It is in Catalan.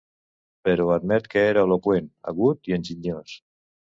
Però admet que era eloqüent, agut i enginyós.